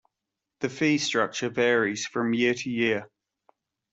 The fee structure varies from year to year.